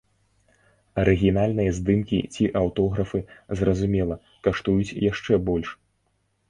Арыгінальныя здымкі ці аўтографы, зразумела, каштуюць яшчэ больш.